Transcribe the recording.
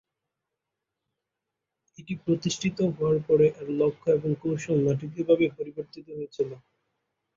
এটি প্রতিষ্ঠিত হওয়ার পরে এর লক্ষ্য এবং কৌশল নাটকীয়ভাবে পরিবর্তিত হয়েছিল।